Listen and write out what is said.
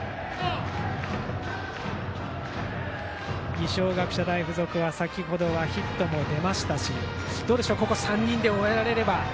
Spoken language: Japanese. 二松学舎大付属は先程は、ヒットも出ましたしここ３人で終えられれば。